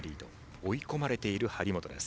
追い込まれている張本です。